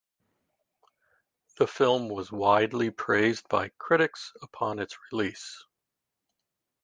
The film was widely praised by critics upon its release.